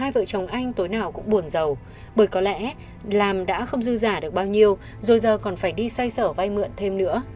hai vợ chồng anh tối nào cũng buồn giàu bởi có lẽ làm đã không dư giả được bao nhiêu rồi giờ còn phải đi xoay sở vay mượn thêm nữa